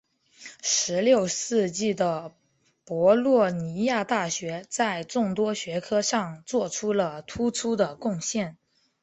十六世纪的博洛尼亚大学在众多学科上做出了突出的贡献。